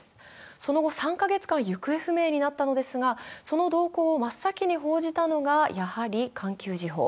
その後３カ月間行方不明になったのですが、その動向を真っ先に報道したのが「環球時報」。